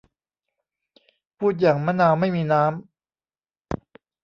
พูดอย่างมะนาวไม่มีน้ำ